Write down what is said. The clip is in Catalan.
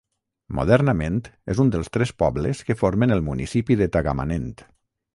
Modernament és un dels tres pobles que formen el municipi de Tagamanent.